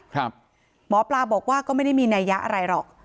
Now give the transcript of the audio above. หมอปลาบอกว่าก็ไม่ได้มีนัยยะอะไรหรอก